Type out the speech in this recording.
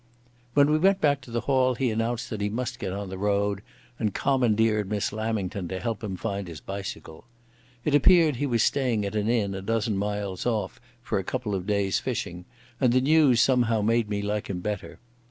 When we went back to the hall he announced that he must get on the road, and commandeered Miss Lamington to help him find his bicycle. It appeared he was staying at an inn a dozen miles off for a couple of days' fishing, and the news somehow made me like him better.